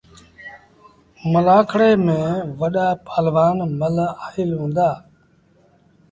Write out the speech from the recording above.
ملآکڙي ميݩ وڏآ پهلوآن مله آئيٚل هُݩدآ۔